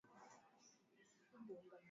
drc congo kwenda kumenyana na semishell de ons